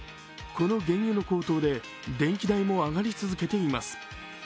この原油の高騰で電気代も上がり続けています。